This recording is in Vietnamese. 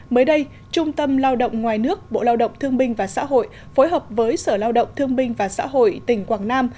mới đây trung tâm lao động ngoài nước bộ lao động thương binh và xã hội phối hợp với sở lao động thương binh và xã hội tỉnh quảng nam